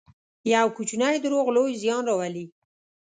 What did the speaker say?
یو کوچنی دروغ لوی زیان راولي.